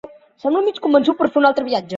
Sembla mig convençut per fer un altre viatge.